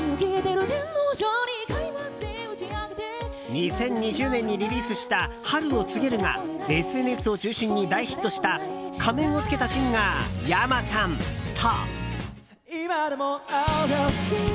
２０２０年にリリースした「春を告げる」がＳＮＳを中心に大ヒットした仮面を着けたシンガーｙａｍａさんと。